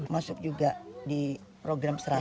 masuk juga di program seratus